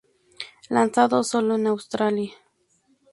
Lanzado sólo en Australia.